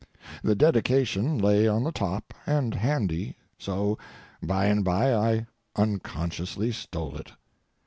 The dedication lay on the top, and handy, so, by and by, I unconsciously stole it.